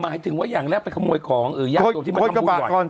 หมายถึงว่าอย่างนั้นไปขโมยของเออยากตัวที่มาทำบุญก่อน